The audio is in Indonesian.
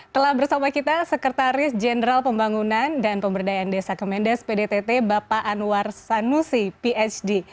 telah bersama kita sekretaris jenderal pembangunan dan pemberdayaan desa kemendes pdtt bapak anwar sanusi phd